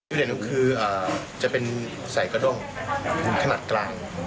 เด่นก็คือจะเป็นใส่กระด้งขนาดกลาง